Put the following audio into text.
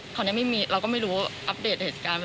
ตอนนี้เราก็ไม่มาให้อัปเดตเหตุการณ์